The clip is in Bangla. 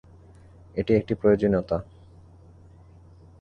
এটা একটি প্রয়োজনীয়তা।